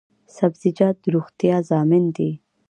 سبزیجات د روغتیا ضامن دي